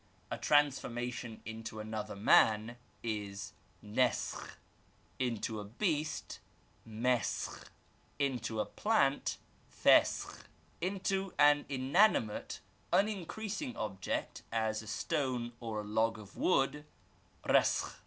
A transformation into another man is neskh; into a beast, meskh; into a i^\2isit, feskh ; into an inanimate, unincreasing object, as a stone or a log of wood, reskh.